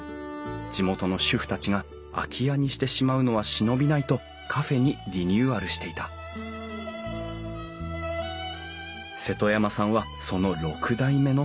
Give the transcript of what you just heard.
地元の主婦たちが空き家にしてしまうのは忍びないとカフェにリニューアルしていた瀬戸山さんはその６代目の店主。